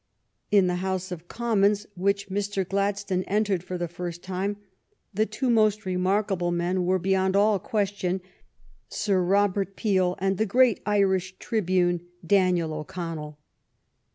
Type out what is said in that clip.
In the House of Commons which Mr. Gladstone entered for the first time the two most remarkable men were, beyond all question. Sir Robert Peel and the great Irish tribune, Daniel O'Connell.